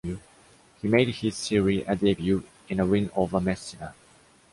He made his Serie A debut in a win over Messina.